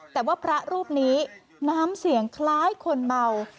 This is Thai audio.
แต่ว่าพระรูปนี้น้ำเสียงคล้ายคนเมา